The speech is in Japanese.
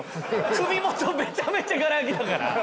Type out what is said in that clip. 首元めちゃめちゃがら空きだから。